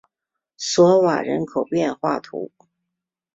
索瓦人口变化图示